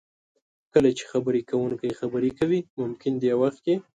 کله چې خبرې کوونکی خبرې کوي ممکن دې وخت کې